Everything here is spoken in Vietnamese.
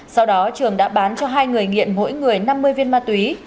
sau đó trường đã bán cho hai người nghiện mỗi người năm mươi viên ma túy